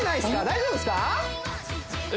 大丈夫ですか？